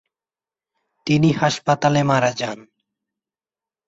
তিনি হাসপাতালে মারা যান।